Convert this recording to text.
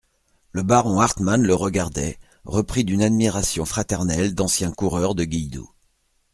Le baron Hartmann le regardait, repris d'une admiration fraternelle d'ancien coureur de guilledou.